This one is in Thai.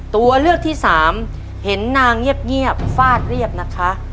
ตัวเลือกที่สามเห็นนางเงียบฟาดเรียบนะคะ